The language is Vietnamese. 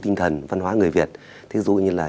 tinh thần văn hóa người việt thí dụ như là